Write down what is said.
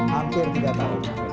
hampir tiga tahun